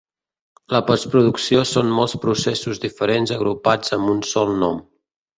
La postproducció són molts processos diferents agrupats amb un sol nom.